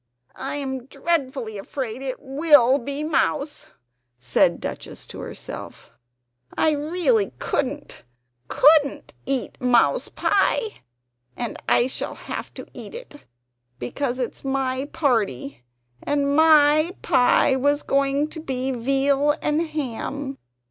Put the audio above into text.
"I am dreadfully afraid it WILL be mouse!" said Duchess to herself "I really couldn't, COULDN'T eat mouse pie. And I shall have to eat it, because it is a party. And MY pie was going to be veal and ham.